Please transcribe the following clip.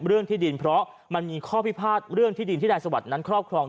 เรื่องที่ดินเพราะมันมีข้อพิพาทเรื่องที่ดินที่นายสวัสดิ์นั้นครอบครอง